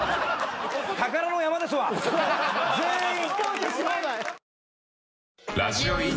宝の山ですわ全員。